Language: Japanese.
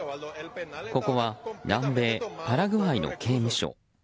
ここは南米パラグアイの刑務所。